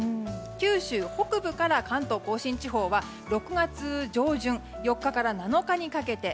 九州北部から関東・甲信地方は６月上旬４日から７日にかけて。